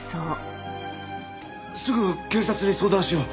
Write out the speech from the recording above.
すぐ警察に相談しよう。